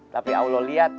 tapi allah liat